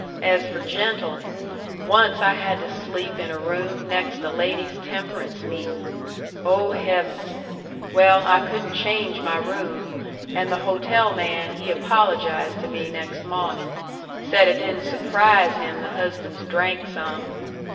As for gentle Once I had to sleep in a room next a ladies' temperance meetin'. Oh, heavens! Well, I couldn't change my room, and the hotel man, he apologized to me next mawnin'. Said it didn't surprise him the husbands drank some."